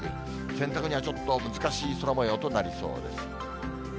洗濯にはちょっと難しい空もようとなりそうです。